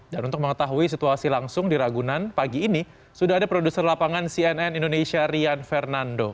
dan untuk mengetahui situasi langsung di ragunan pagi ini sudah ada produser lapangan cnn indonesia rian fernando